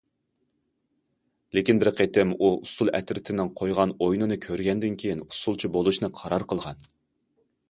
لېكىن بىر قېتىم ئۇ ئۇسسۇل ئەترىتىنىڭ قويغان ئويۇنىنى كۆرگەندىن كېيىن ئۇسسۇلچى بولۇشنى قارار قىلغان.